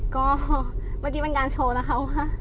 ก็มันกิ่งเป็นการโชว์นะคะว่า